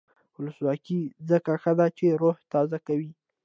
ولسواکي ځکه ښه ده چې روح تازه کوي.